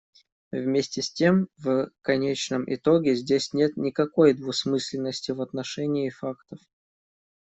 Вместе с тем, в конечном итоге здесь нет никакой двусмысленности в отношении фактов.